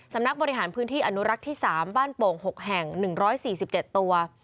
สำนักบริหารพื้นที่อนุรักษ์ที่๓บ้านโป่ง๖แห่ง๑๔๗ตัว